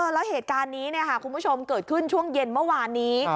แล้วเหตุการณ์นี้คุณผู้ชมเกิดขึ้นช่วงเย็นเมื่อวานนี้